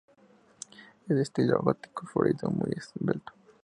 Es de estilo gótico florido, muy esbelto.